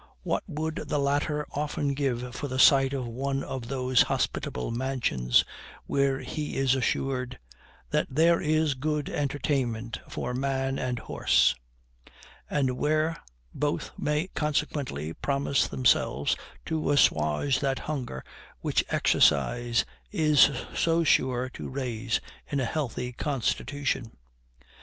What would the latter often give for the sight of one of those hospitable mansions where he is assured THAT THERE IS GOOD ENTERTAINMENT FOR MAN AND HORSE; and where both may consequently promise themselves to assuage that hunger which exercise is so sure to raise in a healthy constitution.